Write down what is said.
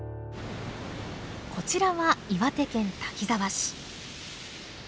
こちらは岩手県滝沢市。